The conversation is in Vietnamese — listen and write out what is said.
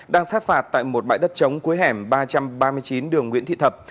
đang sát phạt tại một bãi đất chống cuối hẻm ba trăm ba mươi chín đường nguyễn thị thập